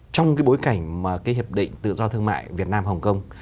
trong cái bối cảnh mà cái hiệp định tự do thương mại việt nam hồng kông